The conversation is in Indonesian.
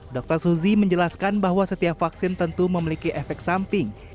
dr suzy menjelaskan bahwa setiap vaksin tentu memiliki efek samping